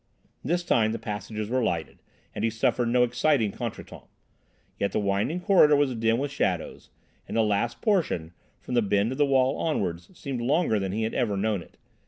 This time the passages were lighted, and he suffered no exciting contretemps; yet the winding corridor was dim with shadows, and the last portion, from the bend of the walls onwards, seemed longer than he had ever known it.